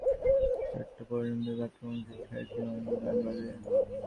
প্রতিদিন সন্ধ্যা ছয়টা থেকে ভোর চারটা পর্যন্ত যাত্রামঞ্চে ছয়টি মাইকে গান বাজে।